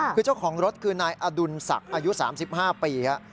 คือเจ้าของรถคือนายอดุลศักดิ์อายุ๓๕ปี